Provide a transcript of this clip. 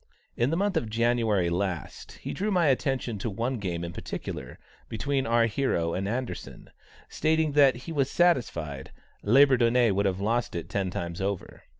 In the month of January last, he drew my attention to one game in particular, between our hero and Anderssen, stating that he was satisfied "Labourdonnais would have lost it ten times over."